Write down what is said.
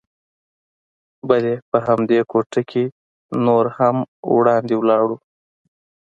بلې، په همدې کوڅه کې نور هم وړاندې ولاړو.